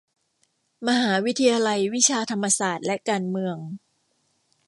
มหาวิทยาลัยวิชาธรรมศาสตร์และการเมือง